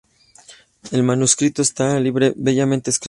El manuscrito está bellamente escrito.